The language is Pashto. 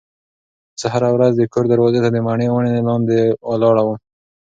زه هره ورځ د کور دروازې ته د مڼې ونې لاندې ولاړه وم.